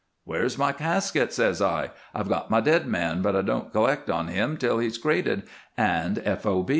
"'Where's my casket?' says I. 'I've got my dead man, but I don't collect on him till he's crated and f. o.